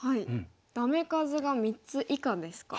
ダメ数が３つ以下ですか。